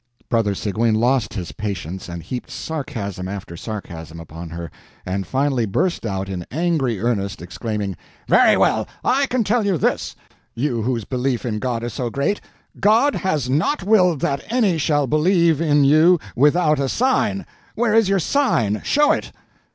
Brother Seguin lost his patience, and heaped sarcasm after sarcasm upon her, and finally burst out in angry earnest, exclaiming: "Very well, I can tell you this, you whose belief in God is so great: God has not willed that any shall believe in you without a sign. Where is your sign?—show it!"